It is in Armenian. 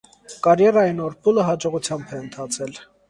Կարիերայի նոր փուլը հաջողությամբ է ընթացել։